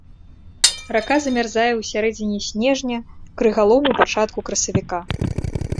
Рака замярзае ў сярэдзіне снежня, крыгалом у пачатку красавіка.